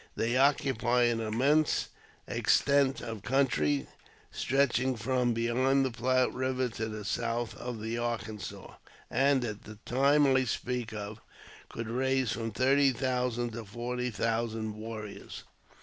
They occupy an immense extent of country, stretching from beyond the Platte Eiver to the south of the Arkansas, and, at the time I speak of, could raise from thirty thousand to forty thousand warriors.